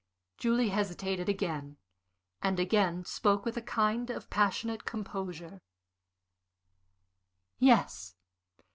Julie hesitated again, and again spoke with a kind of passionate composure. "Yes.